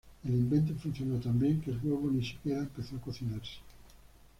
El invento funcionó tan bien que el huevo ni siquiera empezó a cocinarse.